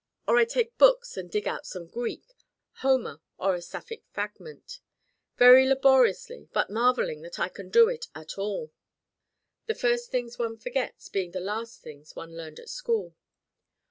Or I take books and dig out some Greek Homer or a Sapphic fragment very laboriously but marvelling that I can do it at all: the first things one forgets being the last things one learned at school.